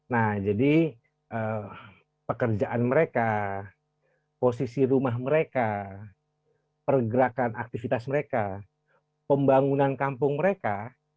nah jadi pekerjaan mereka posisi rumah mereka pergerakan aktivitas mereka pembangunan kampung mereka